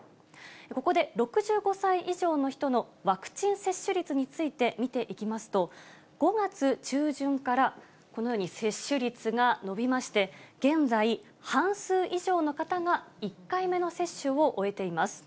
ここで６５歳以上の人のワクチン接種率について見ていきますと、５月中旬からこのように接種率が伸びまして、現在、半数以上の方が１回目の接種を終えています。